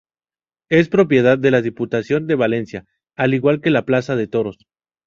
Es propiedad de la Diputación de Valencia, al igual que la plaza de toros.